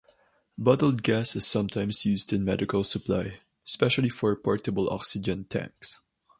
"Bottled gas" is sometimes used in medical supply, especially for portable oxygen tanks.